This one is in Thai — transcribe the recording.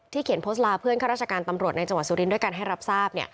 เขียนโพสต์ลาเพื่อนข้าราชการตำรวจในจังหวัดสุรินทร์ด้วยกันให้รับทราบ